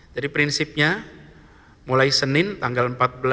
jadi prinsipnya mulai senin tanggal empat belas